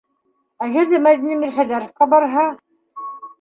Әгәр ҙә Мәҙинә Мирхәйҙәровҡа барһа?